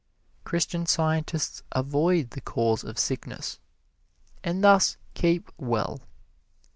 Christian Scientists avoid the cause of sickness, and thus keep well.